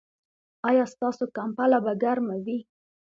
ایا ستاسو کمپله به ګرمه وي؟